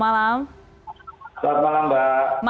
selamat malam mbak